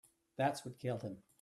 That's what killed him.